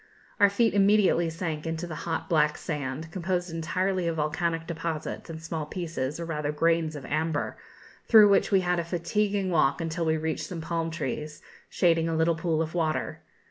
Our feet immediately sank into the hot black sand, composed entirely of volcanic deposits and small pieces, or rather grains, of amber, through which we had a fatiguing walk until we reached some palm trees, shading a little pool of water.